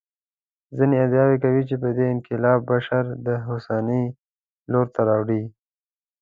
ځینې ادعا کوي چې دې انقلاب بشر د هوساینې لور ته راوړ.